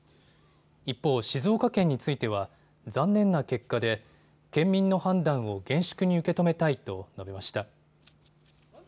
一方、静岡県については残念な結果で県民の判断を厳粛に受け止めたいと述べました。